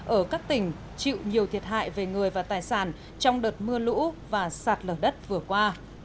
ở các tỉnh chịu nhiều thiệt hại về người và tài sản trong đợt mưa lũ và sạt lở đất vừa qua